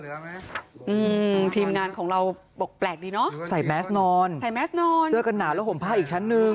ทีมงานของเราบอกแปลกดีเนอะใส่แมสนอนใส่แมสนอนเสื้อกันหนาวแล้วห่มผ้าอีกชั้นหนึ่ง